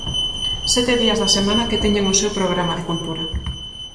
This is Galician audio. Sete días da semana que teñen o seu programa de cultura.